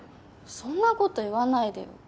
そんなこと言わないでよ。